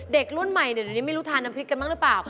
เด็กรุ่นใหม่เดี๋ยวนี้ไม่รู้ทานน้ำพริกกันบ้างหรือเปล่า